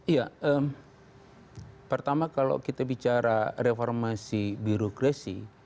iya pertama kalau kita bicara reformasi birokrasi